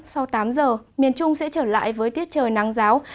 sau tám giờ miền trung sẽ trở lại với tiết trời nắng giáo